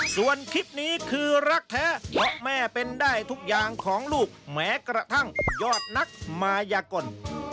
ส่วนคลิปนี้คือรักแท้เพราะแม่เป็นได้ทุกอย่างของลูกแม้กระทั่งยอดนักมายากล